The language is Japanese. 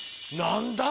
何だ？